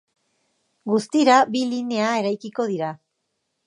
Guztira bi linea eraikiko dira.